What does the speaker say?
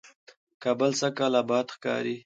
کابل سږکال آباد ښکاري،